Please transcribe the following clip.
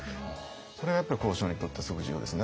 それがやっぱり交渉にとってすごく重要ですね。